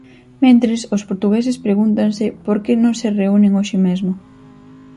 Mentres os portugueses pregúntase por que non se reúnen hoxe mesmo.